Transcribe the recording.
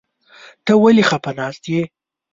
ته ولې خپه ناست يې ؟